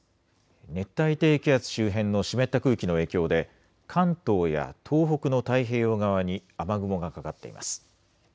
熱帯低気圧周辺の湿った空気の影響で関東や東北の太平洋側に雨雲がかかっています。